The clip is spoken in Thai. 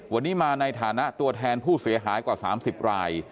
วันนี้มาในฐานะตัวแทนผู้เสียหายกว่า๓๐ราย